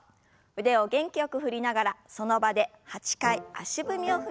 腕を元気よく振りながらその場で８回足踏みを踏みます。